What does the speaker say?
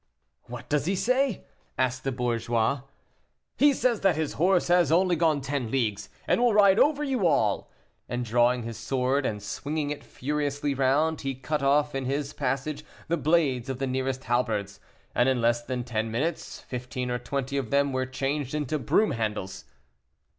"What does he say?" asked the bourgeois. "He says that his horse has only gone ten leagues, and will ride over you all." And drawing his sword and swinging it furiously round, he cut off in his passage the blades of the nearest halberts, and in less than ten minutes fifteen or twenty of them were changed into broom handles.